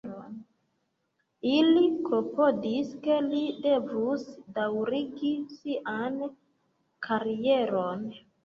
Ili klopodis ke li devus daŭrigi sian karieron.